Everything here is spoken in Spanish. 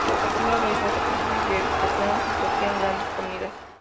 Se acostumbraba realizar sacrificios de personas y se hacían grandes comidas.